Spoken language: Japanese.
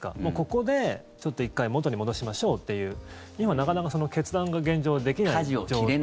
ここでちょっと１回元に戻しましょうという今、なかなか決断が現状できない状態。